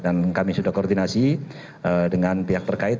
dan kami sudah koordinasi dengan pihak terkait